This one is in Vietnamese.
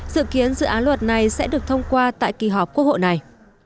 dự kiến dự án luật này sẽ được thông qua tại kỳ họp quốc hội này